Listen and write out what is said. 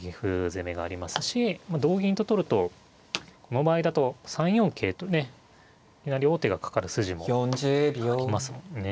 攻めがありますし同銀と取るとこの場合だと３四桂とねいきなり王手がかかる筋もありますもんね。